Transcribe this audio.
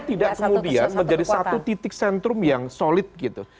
tidak kemudian menjadi satu titik sentrum yang solid gitu